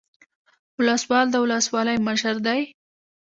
ولسوال د ولسوالۍ مشر دی